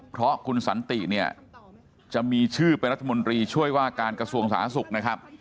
เพราะคุณสันติเนี่ยจะมีชื่อเป็นรัฐมนตรีช่วยว่าการกระทรวงสาธารณสุขนะครับ